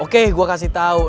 oke gue kasih tau